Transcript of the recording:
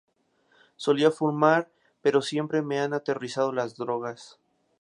Solía fumar pero siempre me han aterrorizado las drogas.